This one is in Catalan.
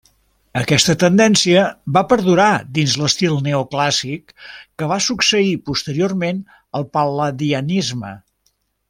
Aquesta tendència va perdurar dins l'estil neoclàssic que va succeir posteriorment al pal·ladianisme.